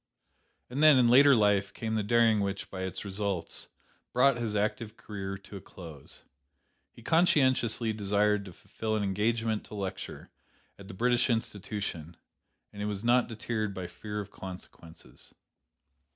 "And then, in later life, came the daring which, by its results, brought his active career to a close. He conscientiously desired to fulfil an engagement to lecture at the British Institution, and was not deterred by fear of consequences.